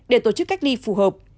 để tổ chức cách ly phù hợp